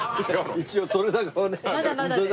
一応撮れ高はね撮れ